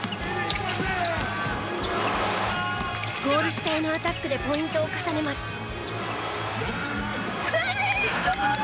ゴール下へのアタックでポイントを重ねます。